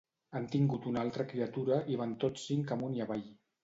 Han tingut una altra criatura i van tots cinc amunt i avall